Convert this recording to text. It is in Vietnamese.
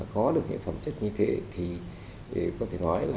có được những phẩm chất như thế thì có thể nói là